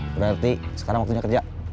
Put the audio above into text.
berarti sekarang waktunya kerja